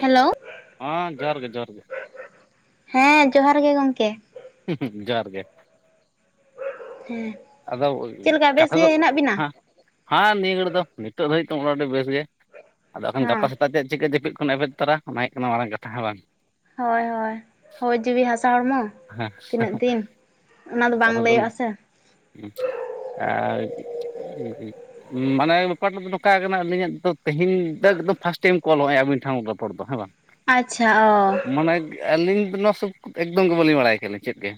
Hello ᱦᱮᱸ ᱡᱚᱦᱟᱨ ᱜᱮ ᱡᱚᱦᱟᱨ ᱜᱮ ᱦᱮᱸ ᱡᱚᱦᱟᱨ ᱜᱮ ᱜᱚᱝᱠᱮ ᱡᱚᱦᱟᱨ ᱜᱮ᱾ ᱦᱮᱸ ᱟᱫᱚ ᱪᱮᱫ ᱞᱮᱠᱟ ᱵᱮᱥ ᱠᱟᱛᱷᱟ ᱜᱮ ᱫᱚ ᱦᱮᱱᱟᱜ ᱵᱤᱱᱟ? ᱦᱟᱸᱜ ᱦᱟᱸ ᱱᱤᱭᱟᱹ ᱜᱷᱟᱹᱲᱤᱡ ᱫᱚ ᱱᱤᱛᱚᱜ ᱫᱷᱟᱹᱵᱤᱡ ᱫᱚ ᱢᱚᱴᱟᱢᱩᱴᱤ ᱵᱮᱥ ᱜᱮ᱾ ᱟᱫᱚ ᱮᱠᱷᱟᱱ ᱦᱮᱸ ᱜᱟᱯᱟ ᱥᱮᱛᱟᱜᱛᱮᱫ ᱪᱤᱠᱟᱹ ᱡᱟᱹᱯᱤᱫ ᱠᱷᱚᱱ ᱮᱵᱷᱮᱱ ᱛᱚᱨᱟ ᱚᱱᱟ ᱦᱩᱭᱩᱜ ᱠᱟᱱᱟ ᱢᱟᱨᱟᱝ ᱠᱟᱛᱷᱟ ᱦᱮᱸ ᱵᱟᱝ? ᱦᱚᱳᱭ ᱦᱳᱭ ᱦᱚᱭ ᱡᱤᱣᱤ ᱦᱟᱥᱟ ᱦᱚᱲᱢᱚ, ᱦᱮᱸ ᱛᱤᱱᱟᱹᱜ ᱫᱤᱱ ᱚᱱᱟ ᱫᱚ ᱵᱟᱝ ᱞᱟᱹᱭᱟᱹᱜᱼᱟ ᱥᱮ᱾ ᱦᱩᱸ ᱟᱨ [unintelligible] ᱢᱟᱱᱮ ᱵᱮᱯᱟᱴᱟᱜ ᱫᱚ ᱱᱚᱝᱠᱟ ᱠᱟᱱᱟ ᱟᱹᱞᱤᱧᱟᱜ ᱫᱚ ᱛᱮᱦᱤᱧ ᱫᱚ ᱮᱠᱫᱚᱢ ᱯᱷᱟᱥᱴ ᱴᱟᱭᱤᱢ ᱚᱞᱚᱜ ᱮᱼᱟ ᱟᱵᱤᱱ ᱴᱷᱮᱱ ᱨᱚᱯᱚᱲ ᱫᱚ ᱦᱮᱸ ᱵᱟᱝ᱾ ᱟᱪᱪᱷᱟ ᱚ, ᱚᱱᱮᱠ ᱟᱹᱞᱤᱧ ᱫᱚ ᱱᱚᱣᱟ ᱥ ᱮᱠᱫᱚᱢ ᱜᱮ ᱵᱟᱹᱞᱤᱧ ᱵᱟᱲᱟᱭ ᱠᱟᱱᱟᱞᱤᱧ ᱪᱮᱫ ᱜᱮ᱾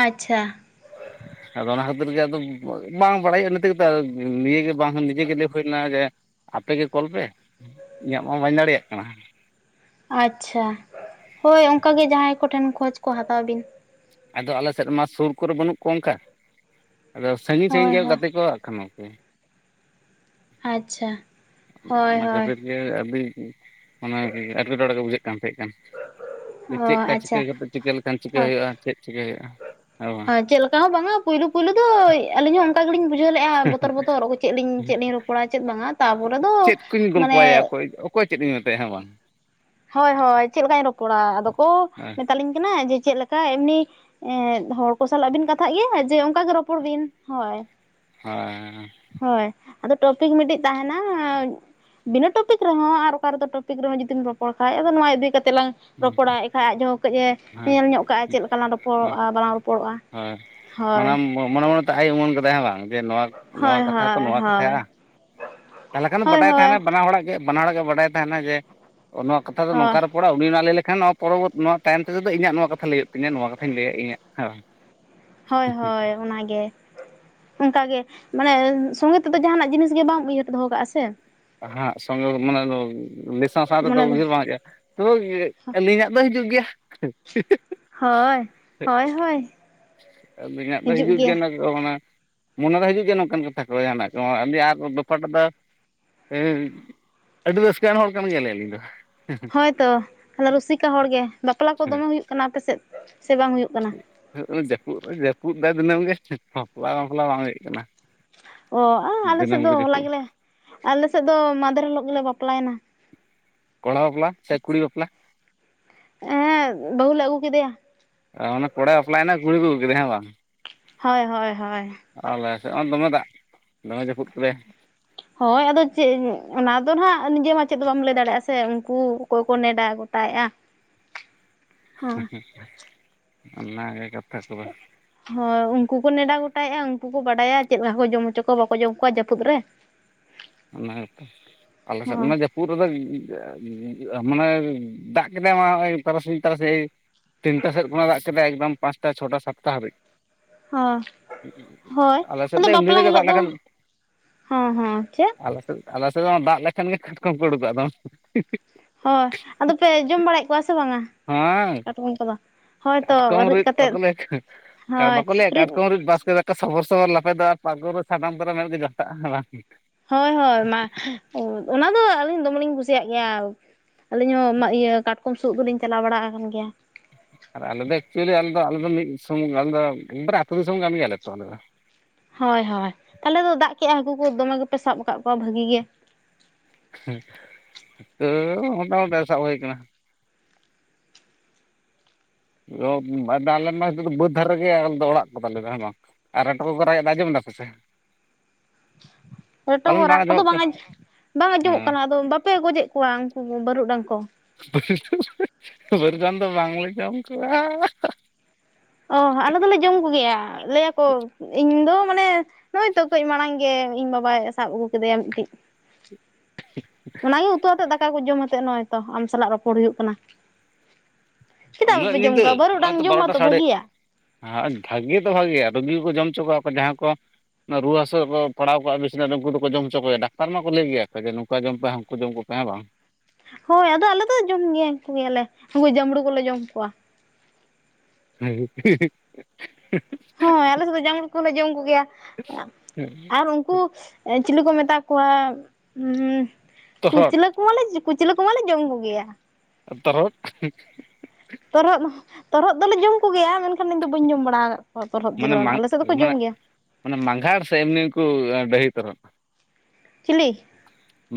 ᱟᱪᱪᱷᱟ ᱟᱫᱚ ᱚᱱᱟ ᱠᱷᱟᱹᱛᱤᱨ ᱜᱮ ᱟᱫᱚ ᱵᱟᱝ ᱵᱟᱲᱟᱭᱚᱜᱼᱟ ᱤᱱᱟᱹ ᱛᱤᱜᱤᱛᱚ ᱱᱤᱭᱟᱹᱜᱮ ᱵᱟᱝ ᱱᱤᱡᱮ ᱜᱮ ᱦᱩᱭ ᱞᱮᱱᱟ ᱡᱮ ᱟᱯᱮ ᱜᱮ ᱠᱚᱞ ᱯᱮ ᱤᱧᱟᱹᱜ ᱢᱟ ᱵᱟᱹᱧ ᱫᱟᱲᱮᱭᱟᱜ ᱠᱟᱱᱟ᱾ ᱟᱪᱪᱷᱟ ᱦᱳᱭ ᱚᱱᱠᱟ ᱜᱮ ᱡᱟᱦᱟᱸᱭ ᱠᱚᱴᱷᱮᱱ ᱠᱷᱡᱽ ᱠᱚ ᱦᱟᱛᱟᱣ ᱵᱤᱱ᱾ ᱟᱫᱚ ᱟᱞᱮ ᱥᱮᱫᱢᱟ ᱥᱩᱨ ᱠᱚᱨᱮ ᱵᱟᱹᱱᱩᱜ ᱠᱚᱣᱟ ᱚᱱᱠᱟ ᱟᱫᱚ ᱥᱟᱺᱜᱤᱧ ᱥᱟᱺᱜᱤᱧ ᱦᱳᱭ ᱜᱮ ᱦᱳᱭ ᱜᱟᱛᱮ ᱠᱚᱣᱟᱜ ᱟᱠᱷᱟᱱᱚ ᱟᱪᱪᱷᱟ ᱦᱳᱭ ᱚᱱᱟ ᱦᱳᱭ ᱠᱷᱟᱹᱛᱤᱨ ᱜᱮ ᱟᱹᱰᱤ ᱚᱱᱮ ᱮᱸᱴᱠᱮᱴᱚᱬᱮ ᱜᱮ ᱵᱩᱡᱷᱟᱹᱜ ᱠᱟᱱ ᱛᱟᱦᱮᱸ ᱠᱟᱱ᱾ ᱚ ᱪᱮᱫᱠᱟ ᱪᱤᱠᱟᱹ ᱟᱪᱪᱷᱟ ᱠᱟᱛᱮᱫ ᱪᱤᱠᱟᱹ ᱞᱮᱠᱷᱟᱱ ᱪᱤᱠᱟᱹ ᱦᱚ ᱦᱩᱭᱩᱜᱼᱟ ᱪᱮᱫ ᱪᱤᱠᱟᱹ ᱦᱩᱭᱩᱜᱼᱟ ᱦᱮᱸ ᱵᱟᱝ ᱪᱮᱫ ᱞᱮᱠᱟ ᱦᱚᱸ ᱵᱟᱝᱟ ᱯᱩᱭᱞᱩ ᱯᱩᱭᱞᱩ ᱫᱚ ᱟᱹᱞᱤᱧ ᱦᱚᱸ ᱚᱝᱠᱟ ᱜᱮᱞᱤᱧ ᱵᱩᱡᱷᱟᱹᱣ ᱞᱮᱫᱜᱼᱟ ᱵᱚᱛᱚᱨ ᱵᱚᱛᱚᱨ ᱚᱠᱚᱭ ᱪᱮᱫ ᱞᱤᱧ ᱪᱮᱫ ᱞᱤᱧ ᱨᱚᱯᱚᱲᱟ ᱪᱮᱫ ᱵᱟᱝᱟ ᱛᱟᱯᱚᱨᱮ ᱫᱚ [unintelligible] ᱢᱟᱱᱮ ᱜᱚᱞᱯᱟᱭ ᱚᱠᱚᱭ ᱚᱠᱚᱭ ᱪᱮᱫ ᱤᱧ ᱢᱮᱛᱟᱭᱟ ᱦᱮᱸ ᱵᱟᱝ? ᱦᱳᱭ ᱦᱳᱭ ᱪᱮᱫ ᱞᱮᱠᱟᱧ ᱨᱚᱯᱚᱲᱟ? ᱟᱫᱚ ᱠᱚ ᱦᱮᱸ ᱢᱮᱛᱟᱞᱤᱧ ᱠᱟᱱᱟ ᱡᱮ ᱪᱮᱫᱮ ᱞᱮᱠᱟ ᱮᱢᱱᱤ ᱮᱸᱜ ᱦᱚᱲ ᱠᱚ ᱥᱟᱞᱟᱜ ᱵᱤᱱ ᱠᱟᱛᱷᱟᱜ ᱜᱮᱭᱟ ᱡᱮ ᱚᱱᱠᱟᱜᱮ ᱨᱚᱯᱚᱲ ᱵᱤᱱ ᱦᱳᱭ᱾ ᱦᱳᱭᱻ ᱦᱳᱭ ᱟᱫᱚ ᱴᱚᱯᱤᱠ ᱢᱤᱫᱴᱤᱡ ᱛᱟᱦᱮᱱᱟ ᱵᱤᱱᱟᱹ ᱴᱚᱯᱤᱠ ᱨᱮᱦᱚᱸ ᱟᱨ ᱚᱠᱟ ᱨᱮᱫᱚ ᱴᱚᱯᱤᱠ ᱨᱮᱦᱚᱸ ᱡᱩᱫᱤᱢ ᱨᱚᱯᱚᱲ ᱠᱷᱟᱡ ᱟᱫᱚ ᱱᱚᱣᱟ ᱤᱫᱤ ᱠᱟᱛᱮᱫ ᱞᱟᱝ ᱨᱚᱯᱚᱲᱟᱭ ᱠᱷᱟᱭ ᱟᱡᱦᱚᱸ ᱠᱟᱹᱭᱼ ᱮ ᱦᱮᱸ ᱟᱡᱚᱢ ᱧᱚᱜ ᱠᱟᱜᱼᱟ ᱪᱮᱫ ᱞᱮᱠᱟᱞᱟᱝ ᱨᱚᱯᱚᱲᱚᱜᱼᱟ ᱵᱟᱞᱟᱝ ᱨᱚᱯᱚᱲᱚᱜᱼᱟ᱾ ᱦᱳᱭ ᱢᱟᱱᱮ ᱦᱳᱭ ᱢᱚᱱᱮ ᱢᱚᱱᱮᱛᱮ ᱟᱭ ᱩᱢᱟᱹᱱ ᱠᱟᱫᱟᱭ ᱵᱟᱝ ᱡᱮ ᱱᱚᱣᱟ ᱱᱚᱣᱟ ᱦᱳᱭ ᱠᱟᱛᱷᱟ ᱛᱚ ᱦᱳᱭ ᱱᱚᱣᱟ ᱦᱳᱭ ᱠᱟᱛᱷᱼᱟ᱾ ᱛᱟᱦᱚᱞᱮ ᱠᱷᱟᱱ ᱦᱳᱭ ᱵᱟᱰᱟᱭ ᱦᱳᱭ ᱛᱟᱦᱮᱱᱟ ᱵᱟᱱᱟ ᱦᱚᱲᱟᱜ ᱜᱮ ᱵᱟᱱᱟ ᱦᱚᱲᱟᱜ ᱜᱮ ᱵᱟᱰᱟᱭ ᱛᱟᱦᱮᱱᱟ ᱡᱮ ᱱᱚᱣᱟ ᱠᱟᱛᱷᱟ ᱫᱚ ᱦᱳᱭ ᱱᱚᱝᱠᱟ ᱨᱮ ᱩᱱᱤ ᱚᱱᱟ ᱞᱟᱹᱭ ᱞᱮᱠᱷᱟᱱ ᱱᱚᱣᱟ ᱯᱚᱨᱚᱵᱚᱨ ᱱᱚᱣᱟ ᱛᱟᱭᱚᱢ ᱛᱮᱫᱚ ᱤᱧᱟᱹᱜ ᱱᱚᱣᱟ ᱠᱟᱛᱷᱟ ᱞᱟᱹᱭ ᱦᱩᱭᱩᱜ ᱛᱤᱧᱟᱹ ᱱᱚᱣᱟ ᱠᱟᱛᱷᱟᱧ ᱞᱟᱹᱭᱟ ᱤᱧᱟᱹᱜ ᱦᱮᱸᱵᱟᱝ᱾ ᱦᱳᱭ ᱦᱳᱭ ᱚᱱᱟ ᱜᱮ᱾ ᱚᱱᱠᱟ ᱜᱮ ᱢᱟᱱᱮ ᱥᱚᱸᱜᱮ ᱛᱮᱫᱚ ᱡᱟᱦᱟᱸᱱᱟᱜ ᱡᱤᱱᱤᱥ ᱜᱮ ᱵᱟᱢ ᱩᱭᱦᱟᱹᱨ ᱫᱚᱦᱚ ᱠᱟᱜᱼᱟ ᱥᱮ᱾ ᱦᱟᱸᱜ ᱥᱚᱝᱜᱮ ᱢᱟᱱᱮ ᱞᱮ ᱥᱟᱶ ᱥᱟᱶ ᱛᱮᱫᱚ ᱢᱚᱱᱮ ᱫᱚ ᱩᱭᱦᱟᱹᱨ ᱵᱟᱝ ᱦᱮᱡᱩᱜᱼᱟ᱾ ᱦᱳᱭ ᱮ ᱟᱹᱞᱤᱧᱟᱜ ᱫᱚ ᱦᱤᱡᱩᱜ ᱜᱮᱭᱟ᱾ ᱦᱳᱭ ᱦᱳᱭ ᱦᱳᱭ ᱟᱵᱤᱧᱟᱜ ᱫᱚ ᱦᱤᱡᱩᱜ ᱜᱮᱭᱟ ᱱᱚ ᱛᱚ ᱚᱱᱟ ᱢᱚᱱᱮᱨᱮ ᱦᱤᱡᱩᱜ ᱜᱮ ᱱᱚᱝᱠᱟᱱ ᱠᱟᱛᱷᱟ ᱠᱚ ᱡᱟᱦᱟᱱᱟᱜ ᱠᱚ ᱟᱹᱰᱤ ᱟ ᱫᱚᱯᱟᱴᱟ ᱫᱚ ᱟᱹᱰᱤ ᱨᱟᱹᱥᱠᱟᱹᱟᱱ ᱦᱚᱲ ᱠᱟᱱ ᱜᱮᱭᱟᱞᱤᱮ ᱟᱹᱞᱤᱧ ᱫᱚ᱾ ᱦᱳᱭ ᱛᱚ ᱛᱟᱦᱚᱞᱮ ᱨᱩᱥᱤᱠᱟ ᱦᱚᱲ ᱜᱮ ᱵᱟᱯᱞᱟ ᱠᱚ ᱟᱹᱞᱤᱧ ᱫᱚᱢᱮ ᱦᱩᱭᱩᱜ ᱠᱟᱱᱟ ᱟᱯᱮ ᱥᱮᱫ ᱥᱮ ᱵᱟᱝ ᱦᱩᱭᱩᱜ ᱠᱟᱱᱟ? ᱡᱟᱹᱯᱩᱫ ᱨᱮ ᱡᱟᱹᱯᱩᱫ ᱫ ᱫᱤᱱᱟᱹᱢ ᱜᱮ ᱵᱟᱯᱞᱟ ᱢᱟᱯᱞᱟ ᱵᱟᱝ ᱦᱩᱭᱩᱜ ᱠᱟᱱᱟ? ᱚ ᱟᱞᱮ ᱫᱤᱱᱟᱹᱢ ᱥᱮᱫ ᱫᱚ ᱜᱮ ᱦᱚᱞᱟ ᱡᱟᱹᱯᱩᱫ ᱜᱮᱞᱮ ᱟᱞᱮ ᱥᱮᱫ ᱫᱚ ᱢᱟᱫᱷᱮᱨ ᱦᱤᱞᱳᱜ ᱜᱮᱞᱮ ᱵᱟᱯᱞᱟᱭᱮᱱᱟ᱾ ᱠᱚᱲᱟ ᱵᱟᱯᱞᱟ ᱥᱮ ᱠᱩᱲᱤ ᱵᱟᱯᱞᱟ? ᱮᱸᱜ ᱵᱟᱹᱦᱩ ᱞᱮ ᱟᱹᱜᱩ ᱠᱮᱫᱮᱭᱟ᱾ ᱚᱱᱟ ᱠᱚᱲᱟᱭ ᱵᱟᱯᱞᱟ ᱭᱮᱱᱟ ᱠᱩᱲᱤ ᱠᱚ ᱟᱹᱜᱩ ᱠᱮᱫᱮ ᱦᱮᱸ ᱵᱟᱝ? ᱦᱚᱭ ᱦᱚᱭ ᱦᱚᱭ ᱟᱞᱮ ᱥᱮᱫ ᱦᱚᱸ ᱫᱚᱢᱮ ᱫᱟᱜ ᱫᱚᱢᱮ ᱡᱟᱹᱯᱩᱫ ᱠᱮᱫᱟᱭ ᱦᱳᱭ ᱟᱫᱚ ᱪᱮᱫ ᱚᱱᱟ ᱫᱚ ᱱᱟᱦᱟᱜ ᱱᱤᱡᱮ ᱢᱟ ᱪᱮᱫ ᱦᱚᱸ ᱵᱟᱢ ᱞᱟᱹᱭ ᱫᱟᱲᱮᱭᱟᱜᱼᱟ ᱥᱮ ᱩᱱᱠᱩ ᱚᱠᱚᱭ ᱠᱚ ᱱᱮᱰᱟ [unintelligible] ᱚᱱᱟ ᱜᱮ ᱠᱟᱛᱷᱟ ᱠᱚᱫᱚ ᱦᱳᱭ ᱩᱱᱠᱩ ᱠᱚ ᱱᱮᱰᱟ ᱜᱚᱴᱟᱭᱮᱜᱼᱟ ᱩᱱᱠᱩ ᱠᱚ ᱵᱟᱰᱟᱭᱟ ᱪᱮᱜ ᱞᱮᱠᱟ ᱠᱚ ᱡᱚᱢ ᱦᱚᱪᱚ ᱠᱚᱣᱟ ᱵᱟᱠᱚ ᱡᱚᱢ ᱠᱚᱣᱟ ᱡᱟᱹᱯᱩᱫ ᱨᱮ [inaudible] ᱚᱱᱟ [unintelligible] ᱟᱞᱮ ᱥᱮᱫ ᱦᱳᱭ ᱢᱟ ᱡᱟᱯ ᱩᱫ ᱨᱮᱫᱚ [unintelligible] ᱢᱟᱱᱮ ᱫᱟᱜ ᱠᱮᱫᱼᱟ ᱛᱟᱨᱟᱥᱤᱧ ᱛᱟᱨᱟᱥᱤᱧ ᱛᱤᱱᱴᱟ ᱥᱮᱫ ᱠᱷᱚᱱᱟᱜ ᱮ ᱫᱟᱜ ᱠᱮᱫᱟ ᱮᱠᱫᱚᱢ ᱯᱟᱸᱪᱴᱟ ᱪᱷᱚᱴᱟ ᱥᱟᱛᱴᱟ ᱦᱟᱹᱵᱤᱡ ᱦᱚᱸ ᱦᱳᱭ ᱟᱞᱮ ᱥᱮᱫ ᱟᱫᱚ ᱫᱚ ᱮᱢᱱᱤ ᱵᱟᱯᱞᱟ ᱨᱮᱜᱮ ᱦᱤᱞᱳᱜ ᱫᱟᱜ ᱫᱚ ᱞᱮᱠᱷᱟᱱ ᱦᱚᱸ ᱦᱚᱸ ᱪᱮᱫ? ᱟᱞᱮ ᱥᱮᱫ ᱟᱞᱮ ᱥᱮᱫ ᱫᱟᱜ ᱞᱮᱠᱷᱟᱱ ᱜᱮ ᱠᱟᱴᱠᱚᱢ ᱠᱚ ᱩᱰᱩᱠᱚᱜᱼᱟ ᱟᱫᱚ ᱦᱤ ᱦᱳᱭ ᱟᱫᱚ ᱯᱮ ᱡᱚᱢ ᱵᱟᱲᱟᱭᱮᱫ ᱠᱚᱣᱟ ᱥᱮ ᱵᱟᱝᱼᱟ ᱦᱮᱸ ᱠᱟᱴᱠᱚᱢ ᱠᱚᱫᱚ ᱦᱳᱭᱛᱚ ᱠᱟᱴᱠᱚᱢ ᱨᱤᱫ ᱠᱟᱛᱮᱫ ᱵᱟᱠᱚ ᱞᱟᱹᱭ ᱵᱟᱠᱚ ᱞᱟᱹᱭᱼᱟ ᱠᱟᱴᱠᱚᱢ ᱨᱤᱫ ᱵᱟᱥᱠᱮ ᱫᱟᱠᱟ ᱚᱱᱠᱟ ᱥᱚᱵᱚᱨ ᱥᱚᱵᱚᱨ ᱞᱟᱯᱮᱫᱚᱼᱟ [unintelligible] ᱨᱮ ᱥᱟᱱᱟᱢ ᱠᱚᱫᱚ ᱢᱮᱫ ᱜᱮ ᱜᱷᱚᱴᱟᱜᱼᱟ ᱵᱟᱝ ᱦᱳᱭ ᱦᱳᱭ ᱢᱟ ᱚᱱᱟ ᱫᱚ ᱟᱹᱞᱤᱧ ᱫᱚᱢᱮ ᱞᱤᱧ ᱠᱩᱥᱤᱭᱟᱜ ᱜᱮᱭᱟ ᱟᱹᱞᱤᱧ ᱦᱚᱸ ᱤᱭᱟᱹ ᱠᱟᱴᱠᱚᱢ ᱥᱩᱜ ᱫᱚᱞᱤᱧ ᱪᱟᱞᱟᱣ ᱵᱟᱲᱟ ᱟᱠᱟᱱ ᱜᱮᱭᱟ ᱟᱨ ᱟᱞᱮ ᱫᱚ ᱮᱠᱪᱩᱭᱮᱞᱤ ᱟᱞᱮ ᱫᱚ ᱢᱤᱫ ᱫᱤᱥᱚᱢ ᱟᱞᱮ ᱫᱚ ᱮᱠᱵᱟᱨ ᱟᱹᱛᱩ ᱫᱤᱥᱚᱢ ᱠᱟᱱ ᱜᱮᱭᱟᱞᱮ ᱛᱚ ᱟᱞᱮ ᱫᱚ ᱦᱳᱭ ᱦᱳᱭ ᱛᱟᱦᱚᱞᱮ ᱫᱚ ᱫᱟᱜ ᱠᱮᱫᱼᱟ ᱦᱟᱹᱠᱩ ᱠᱚ ᱫᱚᱢᱮ ᱜᱮᱯᱮ ᱥᱟᱵ ᱟᱠᱟᱫ ᱠᱚᱣᱟ ᱵᱷᱟᱹᱜᱤ ᱜᱮ ᱛᱟᱹᱣ ᱢᱚᱴᱟ ᱢᱩᱴᱤ ᱥᱟᱵ ᱦᱩᱭ ᱟᱠᱟᱱᱟ [unintelligible] ᱢᱟ ᱵᱟᱹᱫᱽ ᱫᱷᱟᱨᱮ ᱜᱮ ᱫᱚ ᱚᱲᱟᱜ ᱠᱚᱛᱟᱞᱮ ᱦᱮᱸ ᱵᱟᱝ ᱟᱨ ᱨᱮᱴᱚ ᱠᱚᱠᱚ ᱨᱟᱜᱼᱮᱫ ᱟᱸᱡᱚᱢ ᱮᱫᱟ ᱯᱮ ᱥᱮ [inaudible] ᱨᱮᱴᱚ ᱯᱟᱞᱮᱱ ᱨᱟᱜ ᱠᱚᱫᱚ ᱟᱸᱡᱚᱢᱚᱜ ᱠᱟᱱ ᱵᱟᱝ ᱵᱟᱝ ᱟᱸᱡᱚᱢᱚᱜ ᱦᱮᱸ ᱠᱟᱱᱟ ᱟᱫᱚ ᱵᱟᱯᱮ ᱜᱚᱡᱮᱫ ᱠᱚᱣᱟ ᱩᱱᱠᱩ ᱵᱟᱹᱨᱩᱰᱟᱝ ᱠᱚ [unintelligible] ᱵᱟᱹᱨᱩᱰᱟᱝ ᱫᱚ ᱵᱟᱝ ᱞᱮ ᱡᱚᱢ ᱠᱚᱣᱟ ᱚᱸ ᱟᱞᱮ ᱫᱚᱞᱮ ᱡᱚᱢ ᱠᱚ ᱜᱮᱭᱟ ᱞᱟᱹᱭᱟ ᱠᱚ ᱤᱧ ᱫᱚ ᱢᱟᱱᱮ ᱱᱚᱜᱼᱚᱭ ᱛᱚ ᱠᱟᱹᱡ ᱢᱟᱲᱟᱝ ᱜᱮ ᱤᱧ ᱵᱟᱵᱟᱭ ᱥᱟᱵ ᱟᱹᱜᱩ ᱠᱮᱫᱮᱭᱟ ᱢᱤᱫ ᱴᱤᱡ [inaudible] ᱚᱱᱟ ᱜᱮ ᱩᱛᱩ ᱟᱛᱮᱜ ᱫᱟᱠᱟ ᱠᱚ ᱡᱚᱢ ᱟᱛᱮᱜ ᱱᱚᱜᱼᱚᱭ ᱛᱚ ᱟᱢ ᱥᱟᱞᱟᱜ ᱨᱚᱯᱚᱲ ᱦᱩᱭᱩᱜ ᱠᱟᱱᱟ ᱪᱮᱫᱟᱜ ᱩᱱᱟᱹᱜ ᱵᱟᱯᱮ ᱡᱚᱢ ᱧᱤᱫᱟᱹ ᱠᱚᱣᱟ ᱵᱟᱨᱩ ᱰᱟᱝ ᱡᱚᱢ ᱢᱟᱛᱚ ᱵᱷᱟᱹᱜᱤᱭᱟ ᱵᱷᱟᱜᱤ ᱫᱚ ᱵᱷᱟᱜᱤᱭᱟ ᱨᱩᱜᱤ ᱠᱚᱠᱚ ᱡᱚᱢ ᱚᱪᱚ ᱠᱚᱣᱟ ᱠᱚ ᱡᱟᱦᱟᱸ ᱠᱚ ᱨᱩᱣᱟᱹ ᱦᱟᱹᱥᱩ ᱠᱚ ᱯᱟᱲᱟᱣ ᱠᱚᱜᱼᱟ ᱵᱤᱪᱱᱟᱨᱮ ᱱᱩᱝᱠᱩ ᱫᱚᱠᱚ ᱡᱚᱢ ᱦᱚᱪᱚ ᱠᱚᱣᱟ ᱰᱟᱠᱛᱟᱨ ᱢᱟᱠᱚ ᱞᱟᱹᱭ ᱜᱮᱭᱟ ᱡᱮ ᱱᱚᱝᱠᱟ ᱡᱚᱢ ᱯᱮ ᱦᱼ ᱩᱱᱠᱩ ᱡᱚᱢ ᱠᱚ ᱯᱮ ᱦᱮ ᱵᱟᱝ ᱦᱳᱭ ᱟᱫᱚ ᱟᱞᱮ ᱫᱚ ᱡᱚᱢ ᱜᱮᱭᱟ ᱭᱟᱞᱮ ᱩᱱᱠᱩ ᱡᱟᱸᱵᱽᱲᱩ ᱠᱚᱞᱮ ᱡᱚᱢ ᱠᱚᱣᱟ [unintelligible] ᱦᱳᱭ ᱟᱞᱮ ᱥᱮᱫ ᱫᱚ [unintelligible] ᱠᱚᱦᱞᱮ ᱡᱚᱢ ᱠᱚᱜᱮᱭᱟ ᱟᱨ ᱩᱱᱠᱩ ᱪᱤᱞᱤ ᱠᱚ ᱢᱮᱛᱟ ᱠᱚᱣᱟ ᱩᱸ ᱛᱚᱨᱦᱚᱫ ᱠᱩᱪᱞᱟᱹ ᱠᱚ ᱢᱟᱞᱮ ᱠᱩᱪᱞᱟᱹ ᱠᱚᱢᱟᱞᱮ ᱡᱚᱢ ᱠᱚᱜᱮᱭᱟ ᱛᱚᱨᱦᱚᱫ ᱛᱚᱨᱦᱚᱫ ᱛᱚᱨᱦᱚᱫ ᱫᱚᱞᱮ ᱡᱚᱢ ᱠᱚᱜᱮᱭᱟ ᱢᱮᱱ ᱠᱷᱟᱱ ᱤᱧᱫᱚ ᱵᱟᱹᱧ ᱡᱚᱢ ᱵᱟᱲᱟ ᱟᱠᱟᱫ ᱠᱚᱣᱟ ᱛᱚᱨᱦᱚᱫ ᱡᱤᱞ ᱢᱟᱱᱮ ᱢᱟᱱᱮ ᱟᱞᱮ ᱥᱮᱫ ᱫᱚᱠᱚ ᱡᱚᱢ ᱜᱮᱭᱟ ᱢᱟᱱᱮ ᱢᱟᱜᱷᱟᱲ ᱥᱮ ᱮᱢᱱᱤ ᱠᱚ ᱰᱟᱹᱦᱤ ᱛᱚᱨᱦᱚᱫ ᱪᱤᱞᱤ?